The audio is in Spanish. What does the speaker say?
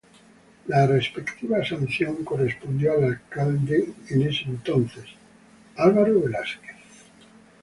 La respectiva sanción correspondió al alcalde en ese entonces Alvaro Velásquez.